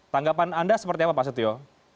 tanggapan anda seperti apa pak setio